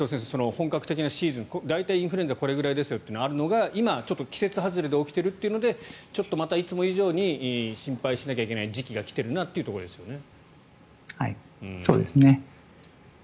本格的なシーズン大体、インフルエンザこれぐらいですよってあるのが今は季節外れで起きているというのでちょっとまた、いつも以上に心配しなきゃいけない時期が来てるなというところですよね。